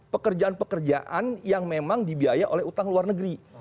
pekerjaan pekerjaan yang memang dibiaya oleh utang luar negeri